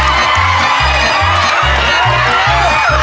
เร็วเร็วเร็ว